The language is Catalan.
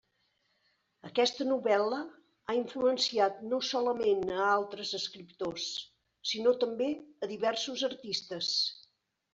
Aquesta novel·la ha influenciat no solament a altres escriptors, sinó també a diversos artistes.